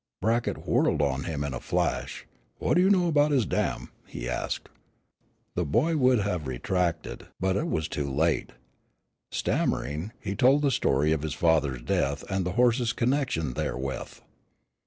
Brackett whirled on him in a flash. "What do you know about his dam?" he asked. The boy would have retracted, but it was too late. Stammeringly he told the story of his father's death and the horse's connection therewith.